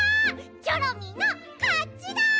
チョロミーのかちだ！